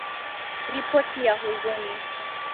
Ripoti ya huzuni.